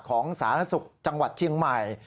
สาธารณสุขจังหวัดเชียงใหม่